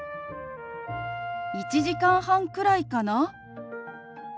「１時間半くらいかな」。